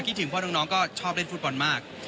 ถึงเพราะน้องก็ชอบเล่นฟุตบอลมาก